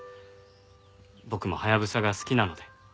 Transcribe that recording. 僕もハヤブサが好きなので。